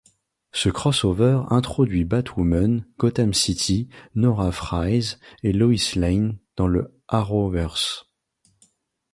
Ce crossover introduit Batwoman, Gotham City, Nora Fries et Lois Lane dans le Arrowverse.